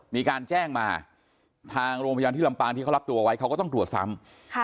มีการแจ้งมาทางโรงพยาบาลที่ลำปางที่เขารับตัวไว้เขาก็ต้องตรวจซ้ำ